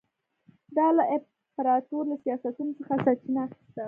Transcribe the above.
دا له امپراتور له سیاستونو څخه سرچینه اخیسته.